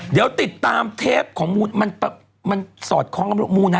เดี๋ยวติดตามเทปของมูลมันสอดคล้องกับมูนะ